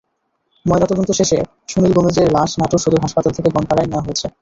ময়নাতদন্ত শেষে সুনীল গোমেজের লাশ নাটোর সদর হাসপাতাল থেকে বনপাড়ায় নেওয়া হয়েছে।